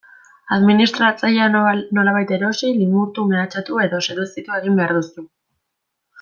Administratzailea nolabait erosi, limurtu, mehatxatu edo seduzitu egin behar duzu.